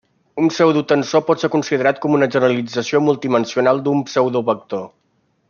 Un pseudotensor pot ser considerat com una generalització multidimensional d'un pseudovector.